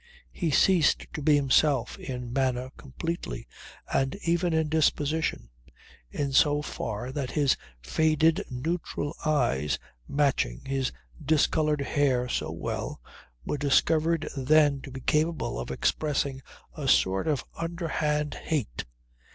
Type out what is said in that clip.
He ceased to be himself in manner completely, and even in disposition, in so far that his faded neutral eyes matching his discoloured hair so well, were discovered then to be capable of expressing a sort of underhand hate.